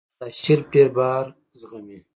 دا شیلف ډېر بار زغمي.